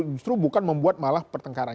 justru bukan membuat malah pertengkaran